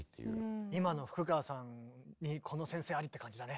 今の福川さんにこの先生ありって感じだね。